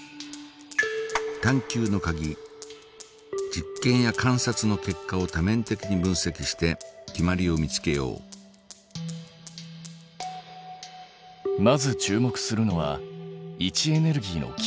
実験や観察の結果を多面的に分析して決まりを見つけようまず注目するのは位置エネルギーの決まり。